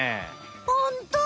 ホント！